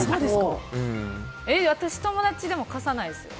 私、友達でも貸さないですよ。